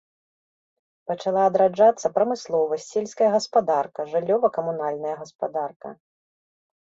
Пачала адраджацца прамысловасць, сельская гаспадарка, жыллёва-камунальная гаспадарка.